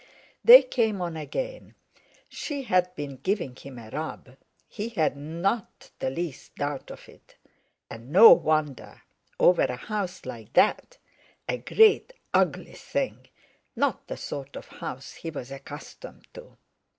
They came on again. She had been giving him a rub, he had not the least doubt of it, and no wonder, over a house like that—a great ugly thing, not the sort of house he was accustomed to.